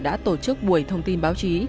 đã tổ chức buổi thông tin báo chí